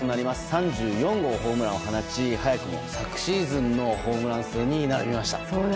３４号のホームランを放ち早くも昨シーズンのホームラン数に並びました。